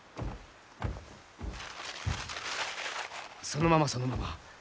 そのままそのまま。